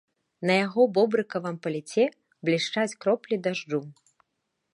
На яго бобрыкавым паліце блішчаць кроплі дажджу.